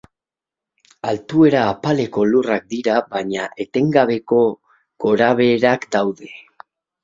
Altuera apaleko lurrak dira baina etengabeko gorabeherak daude.